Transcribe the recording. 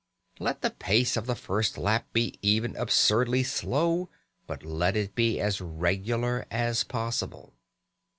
Let the pace of the first lap be even absurdly slow, but let it be as regular as possible.